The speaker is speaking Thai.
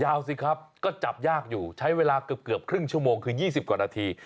สิครับก็จับยากอยู่ใช้เวลาเกือบครึ่งชั่วโมงคือ๒๐กว่านาที